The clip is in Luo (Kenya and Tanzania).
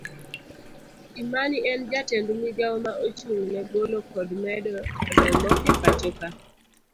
Imani en jatend migawo ma ochung ne golo kod medo remo epachoka.